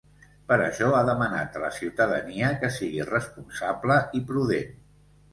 Per això ha demanat a la ciutadania que sigui responsable i prudent.